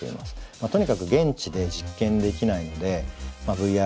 とにかく現地で実験できないのでＶＲ